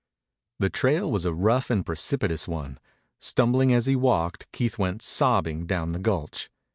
The trail was a rough and precipitous one. Stumbling as he walked, Keith went sobbing down the gulch.